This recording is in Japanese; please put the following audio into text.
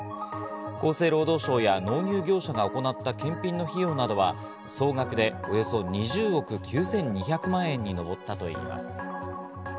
厚生労働省や納入業者が行った検品の費用などは、総額でおよそ２０億９２００万円にのぼったといいます。